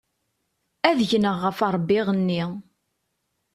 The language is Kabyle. Ad gneɣ ɣef ṛṛbiɣ-nni.